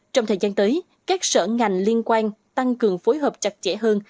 trong thời gian tới các sở ngành liên quan tăng cường phối hợp chặt chẽ hơn